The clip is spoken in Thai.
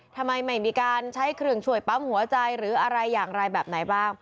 ทำไมไม่มีการใช้เครื่องช่วยปั๊มหัวใจหรืออะไรอย่างไรแบบไหนบ้าง